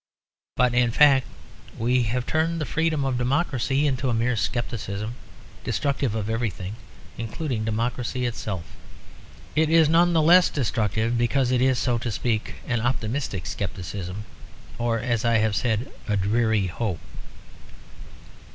But in fact we have turned the freedom of democracy into a mere scepticism, destructive of everything, including democracy itself. It is none the less destructive because it is, so to speak, an optimistic scepticism or, as I have said, a dreary hope.